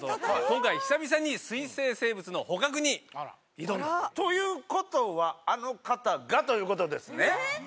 今回久々に水生生物の捕獲に挑んだと。ということはあの方がということですね？